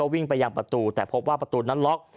วิ่งไปยังประตูแต่พบว่าประตูนั้นล็อก